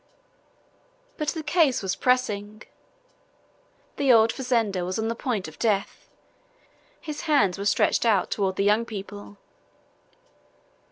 But the case was pressing, the old fazender was on the point of death, his hands were stretched out toward the young people!